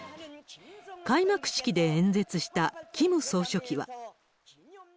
開幕式で演説したキム総書記は。